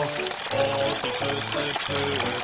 「おおきくつくって」